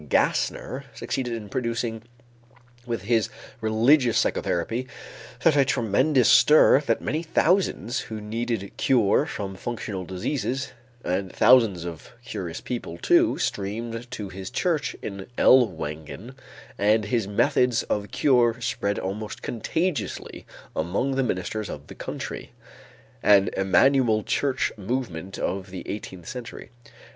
Gassner succeeded in producing with his religious psychotherapy such a tremendous stir that many thousands who needed cure from functional diseases, and thousands of curious people, too, streamed to his church in Ellwangen, and his methods of cure spread almost contagiously among the ministers of the country: an Emmanuel Church Movement of the eighteenth century.